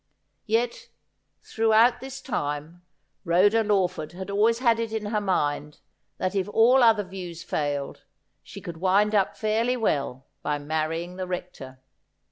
Yet, throughout this time, Rhoda Lawford had always had it in her mind that if all other views failed, she could wind up fairly well by marrying the Rector.